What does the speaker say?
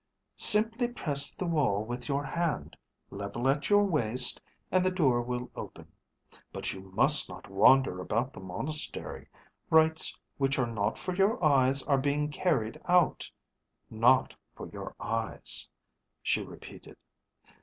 "Simply press the wall with your hand, level at your waist, and the door will open. But you must not wander about the monastery. Rites which are not for your eyes are being carried out. Not for your eyes," she repeated.